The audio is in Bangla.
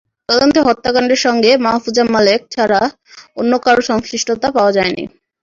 তদন্তে হত্যাকাণ্ডের সঙ্গে মাহফুজা মালেক ছাড়া অন্য কারও সংশ্লিষ্টতা পাওয়া যায়নি।